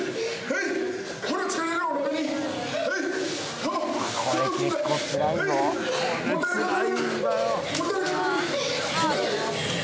はい。